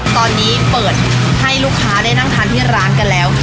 ตอนนี้เปิดให้ลูกค้าได้นั่งทานที่ร้านกันแล้ว